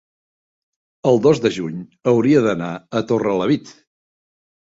el dos de juny hauria d'anar a Torrelavit.